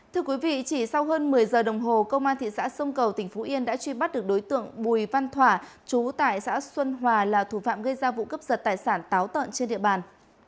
thưa quý vị chỉ sau hơn một mươi giờ đồng hồ công an thị xã sông cầu tỉnh phú yên đã truy bắt được đối tượng bùi văn thỏa chú tại xã xuân hòa là thủ phạm gây ra vụ cướp giật tài sản táo tợn trên địa bàn